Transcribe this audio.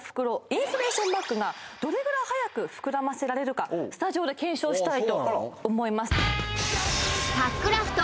インフレーションバッグがどれぐらい早く膨らませられるかスタジオで検証したいと思います